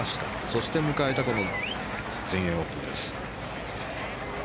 そして迎えた全英オープンです。